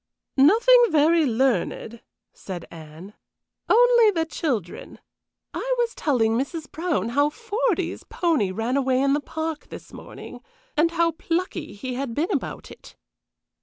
"Nothing very learned," said Anne. "Only the children. I was telling Mrs. Brown how Fordy's pony ran away in the park this morning, and how plucky he had been about it."